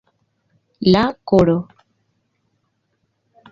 La koro.